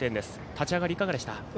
立ち上がりいかがでした？